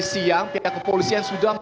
siang pihak kepolisian sudah